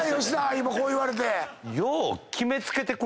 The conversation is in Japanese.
今こう言われて。